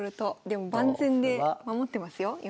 でも万全で守ってますよ